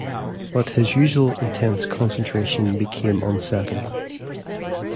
But his usual intense concentration became unsettled.